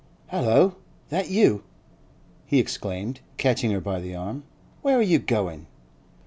'Hallo! that you?' he exclaimed, catching her by the arm. 'Where are you going?